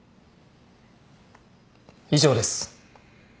以上です。